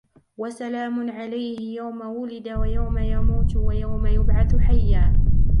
وسلام عليه يوم ولد ويوم يموت ويوم يبعث حيا